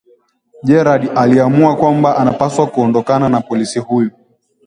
Jared aliamua kwamba anapaswa kuondokana na polisi huyu